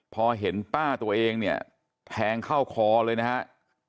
พอเห็นป้าตัวเองเนี่ยแทงเข้าคอเลยนะครับ